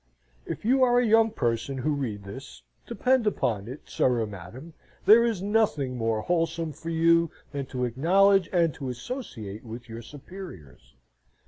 If you are a young person who read this, depend upon it, sir or madam, there is nothing more wholesome for you than to acknowledge and to associate with your superiors.